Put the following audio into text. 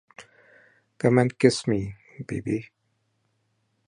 Come and kiss me, baby.